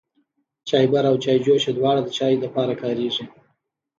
چايبر او چايجوشه دواړه د چايو د پاره کاريږي.